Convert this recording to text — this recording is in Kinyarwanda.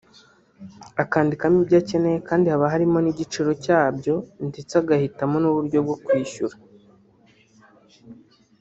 akandikamo ibyo akeneye kandi haba hariho n’igiciro cyabyo ndetse agahitamo n’uburyo bwo kwishyura